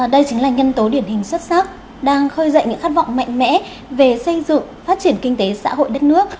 đây chính là nhân tố điển hình xuất sắc đang khơi dậy những khát vọng mạnh mẽ về xây dựng phát triển kinh tế xã hội đất nước